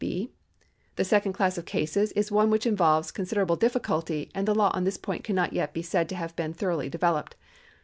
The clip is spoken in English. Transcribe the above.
(6) The second class of cases is one which involves consi derable diflficidty, and the law on this point cannot yet be said to have been thoroughly developed.